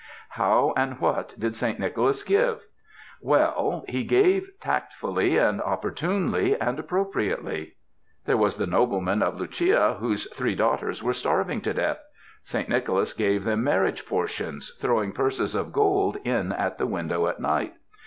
How and what did Saint Nicholas give? Well, he gave tactfully and opportunely and appropri ately. There was the nobleman of Lucia whose three daughters were starving to death. Saint Nicholas gave them marriage portions, throwing purses of gold in at the window at night.